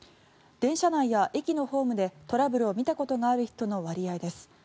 伝車内や駅のホームでトラブルを見たことのある人の割合です。